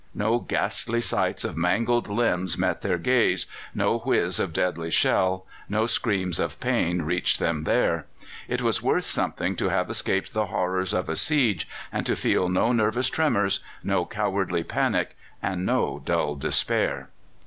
No ghastly sights of mangled limbs met their gaze, no whizz of deadly shell, no scream of pain reached them there. It was worth something to have escaped the horrors of a siege, and to feel no nervous tremors, no cowardly panic, no dull despair.